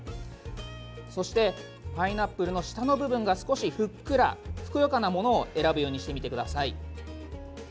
そして、パイナップルの下の部分が少しふっくらふくよかなものを選ぶようにしてみてください。